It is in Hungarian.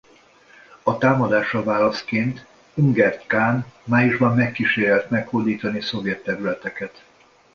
A támadásra válaszként Ungern kán májusban megkísérelt meghódítani szovjet területeket.